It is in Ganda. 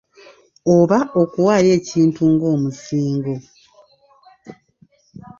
Oba okuwaaayo ekintu ng'omusingo.